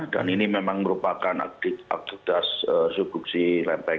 dan ini memang merupakan aktivitas subduksi lempeng